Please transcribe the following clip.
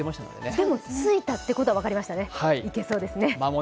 でも着いたってことは分かりましたね、いけそうですね。